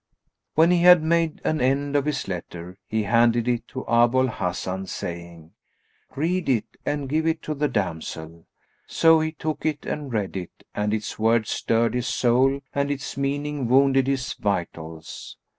'" When he had made an end of this letter, he handed it to Abu al Hasan, saying, "Read it and give it to the damsel." So he took it and read it and its words stirred his soul and its meaning wounded his vitals.